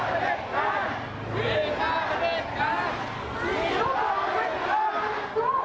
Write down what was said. วิทยาลัยเมริกาวิทยาลัยเมริกา